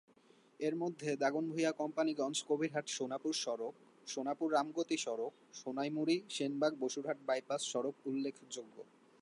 এর মধ্যে দাগনভূঞা-কোম্পানিগঞ্জ-কবিরহাট-সোনাপুর সড়ক, সোনাপুর-রামগতি সড়ক, সোনাইমুড়ি-সেনবাগ-বসুরহাট বাইপাস সড়ক উল্লেখযোগ্য।